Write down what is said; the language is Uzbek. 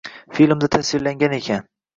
Filmda tasvirlangan ekan